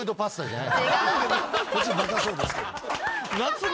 こっちバカそうですけど。